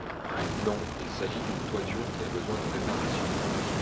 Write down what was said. Non, il s’agit d’une toiture qui a besoin de réparations…